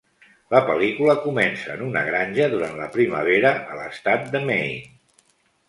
La pel·lícula comença en una granja durant la primavera, a l'estat de Maine.